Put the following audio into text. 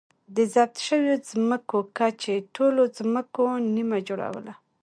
د ضبط شویو ځمکو کچې ټولو ځمکو نییمه جوړوله.